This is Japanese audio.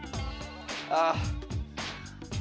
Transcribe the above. ああ。